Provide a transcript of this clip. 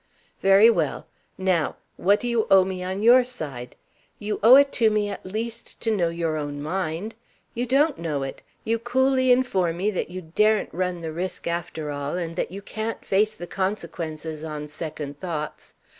Very well. Now what do you owe me on your side? You owe it to me at least to know your own mind. You don't know it. You coolly inform me that you daren't run the risk after all, and that you can't face the consequences on second thoughts.